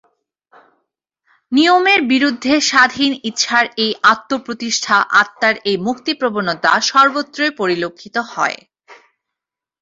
নিয়মের বিরুদ্ধে স্বাধীন ইচ্ছার এই আত্মপ্রতিষ্ঠা, আত্মার এই মুক্তিপ্রবণতা সর্বত্রই পরিলক্ষিত হয়।